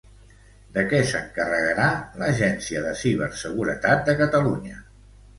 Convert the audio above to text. De què s'encarregarà l'Agència de Ciberseguretat de Catalunya?